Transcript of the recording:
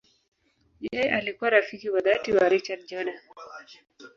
Yeye alikuwa rafiki wa dhati wa Richard Jordan.